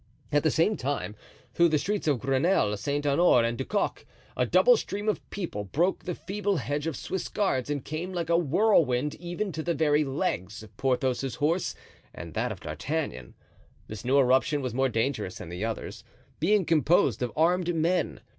At the same time through the streets of Grenelle, Saint Honore, and Du Coq, a double stream of people broke the feeble hedge of Swiss guards and came like a whirlwind even to the very legs of Porthos's horse and that of D'Artagnan. This new eruption was more dangerous than the others, being composed of armed men.